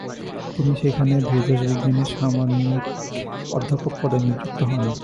তিনি সেখানে ভেষজবিজ্ঞানের সাম্মানিক অধ্যাপক পদে নিযুক্ত হন।